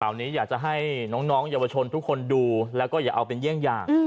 นี้อยากจะให้น้องเยาวชนทุกคนดูแล้วก็อย่าเอาเป็นเยี่ยงอย่าง